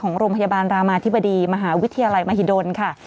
โรงพยาบาลรามาธิบดีมหาวิทยาลัยมหิดลค่ะ